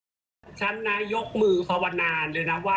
นะคะฉันน้ำตาขอฉันฉันมีความรู้สึกว่า